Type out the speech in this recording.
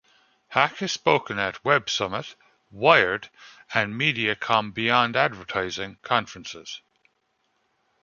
Hack has spoken at Web Summit, Wired and Mediacom Beyond Advertising conferences.